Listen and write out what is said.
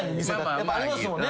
やっぱありますもんね。